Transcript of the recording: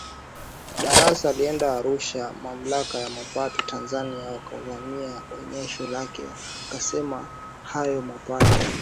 Darassa alienda Arusha mamlaka ya mapato Tanzania wakavamia onyesho lake wakasema hayo mapato